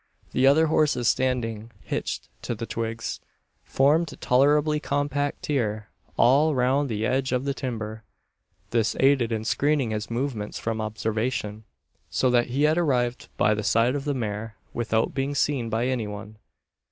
The other horses standing "hitched" to the twigs, formed a tolerably compact tier all round the edge of the timber. This aided in screening his movements from observation, so that he had arrived by the side of the mare, without being seen by any one.